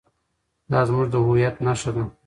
دا زموږ د هویت نښه ده.